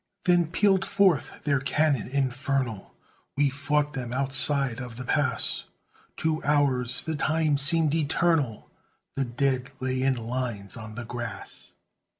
Then pealed forth their cannon infernal; We fought them outside of the pass, Two hours, the time seemed eternal; The dead lay in lines on the grass.